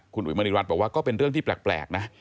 คุณอุ๋ยมณีรัฐบอกว่าก็เป็นเรื่องที่แปลกนะ